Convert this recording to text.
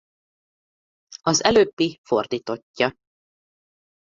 Az előbbi fordítottja.